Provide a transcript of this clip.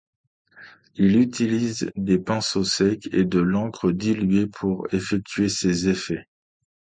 Il utilise des pinceaux secs et de l’encre diluée pour effectuer ses effets.